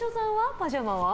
パジャマは？